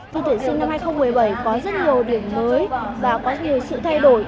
thi tuyển sinh năm hai nghìn một mươi bảy có rất nhiều điểm mới và có nhiều sự thay đổi